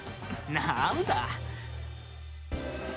なんだ。